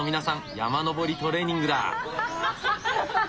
山登りトレーニングだ。